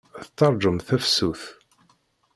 Tettargumt tafsut.